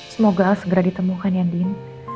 semoga segera ditemukan ya andin